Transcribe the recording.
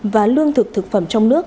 và lương thực thực phẩm trong nước